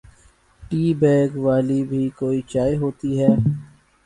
T bag والی بھی کوئی چائے ہوتی ہے؟